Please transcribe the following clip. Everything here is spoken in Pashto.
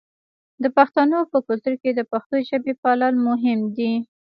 د پښتنو په کلتور کې د پښتو ژبې پالل مهم دي.